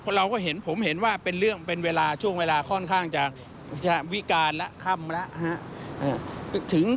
เราก็เห็นผมเห็นว่าเป็นเรื่องเป็นเวลาช่วงเวลาค่อนข้างจะวิการแล้วค่ำแล้ว